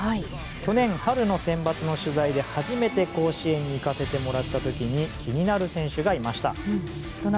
去年、春のセンバツの取材で初めて甲子園に行かせてもらった時に気になる選手がいました。